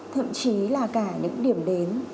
thậm chí là cả những điểm đến